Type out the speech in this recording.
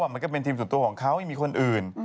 มันก็เป็นทีมส่วนตัวของเขาไม่มีคนอื่น